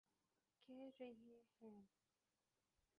کہہ رہے ہیں۔